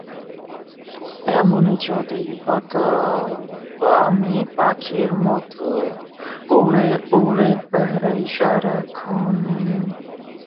প্রতিদিন উল্লেখযোগ্য সংখ্যক মানুষ এখান থেকে চিকিৎসা সেবা গ্রহণ করে থাকে।